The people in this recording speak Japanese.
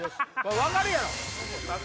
分かるやろ！